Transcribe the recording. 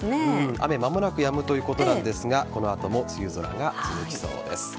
雨、間もなくやむということなんですがこの後も梅雨空が続きそうです。